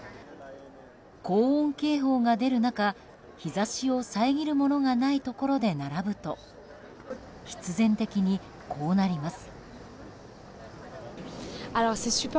高温警報が出る中日差しを遮るものがないところで並ぶと必然的にこうなります。